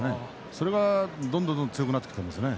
それが、どんどんどんどん強くなってきていますね。